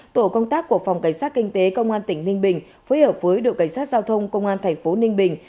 tổ công tác của phòng cảnh sát kinh tế công an tỉnh ninh bình phối hợp với đội cảnh sát giao thông công an thành phố ninh bình